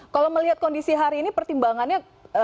kalau melihat kondisi hari ini pertimbangannya